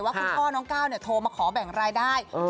คุณพ่อน้องก้าวโทรมาขอแบ่งรายได้